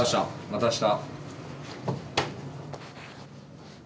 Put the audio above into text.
また明日。